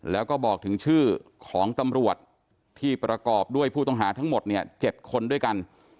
แล้วก็บอกถึงชื่อของตำรวจที่ประกอบด้วยผู้ต้องหาทั้งหมดเนี่ย๗คนด้วยกัน